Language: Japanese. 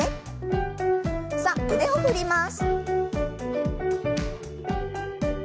さあ腕を振ります。